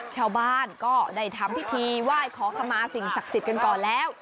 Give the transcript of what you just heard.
ชาวบ้านก็ได้ทำพิธีไหว้ขอขมาสิ่งศักดิ์สิทธิ์กันก่อนแล้ว